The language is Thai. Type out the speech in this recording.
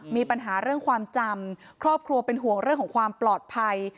มีปัญหาเรื่องความจำครอบครัวเป็นห่วงเรื่องของความปลอดภัย